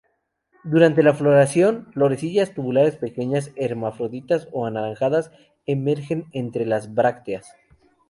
Durante la floración, florecillas tubulares pequeñas, hermafroditas amarillas o anaranjadas emergen entre las brácteas.